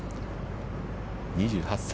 ２８歳。